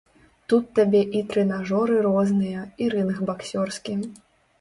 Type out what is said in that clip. Тут табе і трэнажоры розныя, і рынг баксёрскі.